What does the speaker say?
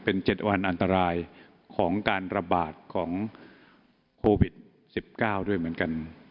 เป็น๗วันอันตรายของการระบาดของโควิด๑๙ด้วยเหมือนกัน